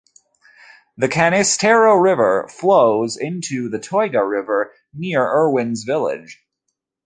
The Canisteo River flows into the Tioga River near Erwins village.